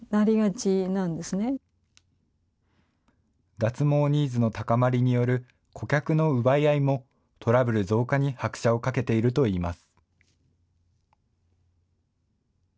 脱毛ニーズの高まりによる顧客の奪い合いも、トラブル増加に拍車をかけているといいます。